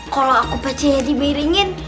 kalau aku pacenya di beringin